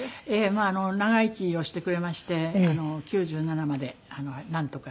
まあ長生きをしてくれまして９７までなんとか。